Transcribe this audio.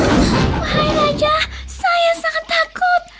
hai raja saya sangat takut